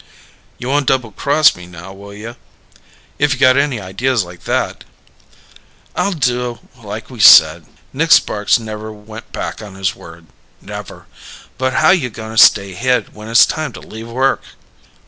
"You won't double cross me now, will you? If you've got any ideas like that " "I'll do like we said. Nick Sparks never went back on his word never. But how you going to stay hid when it's time to leave work?"